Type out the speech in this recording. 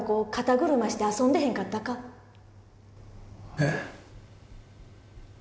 えっ？